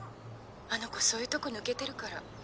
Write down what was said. あの子そういうとこ抜けてるから」。